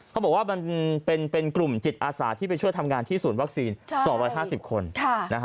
เขาบอกว่ามันเป็นกลุ่มจิตอาสาที่ไปช่วยทำงานที่ศูนย์วัคซีน๒๕๐คน